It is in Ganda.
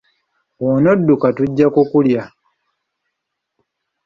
Bw'onodukka tujja kukulya!